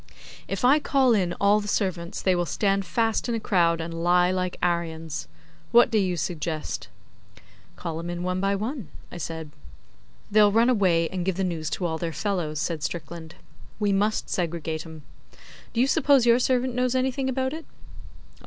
'If I call in all the servants they will stand fast in a crowd and lie like Aryans. What do you suggest?' 'Call 'em in one by one,' I said. 'They'll run away and give the news to all their fellows,' said Strickland. 'We must segregate 'em. Do you suppose your servant knows anything about it?